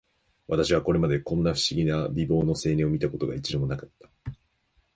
私はこれまで、こんな不思議な美貌の青年を見た事が、一度も無かった